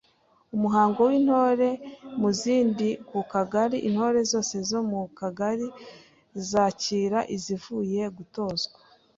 Umuhango w’Intore mu zindi ku Kagari Intore zose zo mu Kagari zakira izivuye gutozwa.